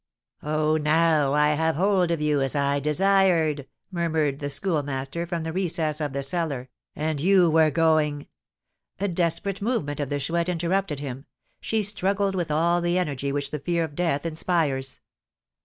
"Oh, now I have hold of you, as I desired," murmured the Schoolmaster, from the recess of the cellar; "and you were going " A desperate movement of the Chouette interrupted him; she struggled with all the energy which the fear of death inspires.